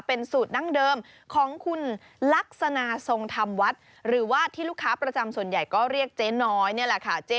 เป็นสูตรดั้งเดิมของคุณลักษณะทรงธรรมวัดหรือว่าที่ลูกค้าประจำส่วนใหญ่ก็เรียกเจ๊น้อยนี่แหละค่ะ